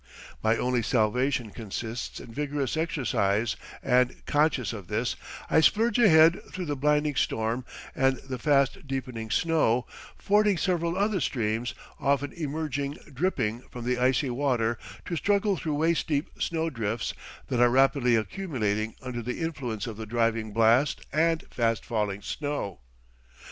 My only salvation consists in vigorous exercise, and, conscious of this, I splurge ahead through the blinding storm and the fast deepening snow, fording several other streams, often emerging dripping from the icy water to struggle through waist deep snow drifts that are rapidly accumulating under the influence of the driving blast and fast falling snow.